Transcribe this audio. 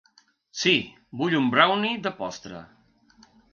Sí, vull un brownie de postre.